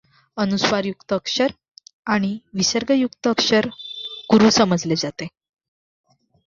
अनुस्वारयुक्त अक्षर आणि विसर्गयुक्त अक्षर गुरू समजले जाते.